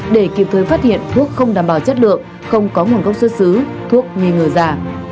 để kịp thời phát hiện thuốc không đảm bảo chất lượng không có nguồn gốc xuất xứ thuốc nghi ngờ giả